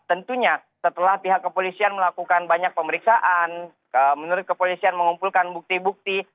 tentunya setelah pihak kepolisian melakukan banyak pemeriksaan menurut kepolisian mengumpulkan bukti bukti